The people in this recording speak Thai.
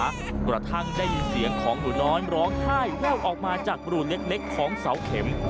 กระทั่งได้ยินเสียงของหนูน้อยร้องไห้แววออกมาจากรูเล็กของเสาเข็ม